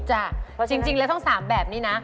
จริงแล้วต้องสามแบบนี้นะ